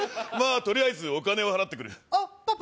とりあえずお金を払ってくるあっパパ